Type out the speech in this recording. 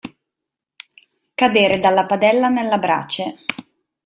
Cadere dalla padella nella brace.